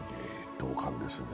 同感です。